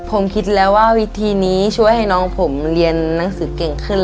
ผมคิดแล้วว่าวิธีนี้ช่วยให้น้องผมเรียนหนังสือเก่งขึ้น